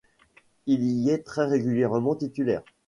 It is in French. Il y est très régulièrement titulaire.